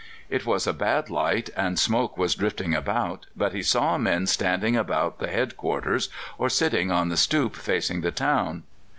It was a bad light, and smoke was drifting about, but he saw men standing about the head quarters or sitting on the stoep facing the town.